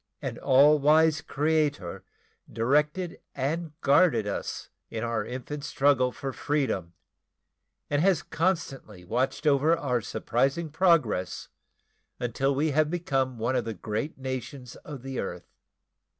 An all wise Creator directed and guarded us in our infant struggle for freedom and has constantly watched over our surprising progress until we have become one of the great nations of the earth.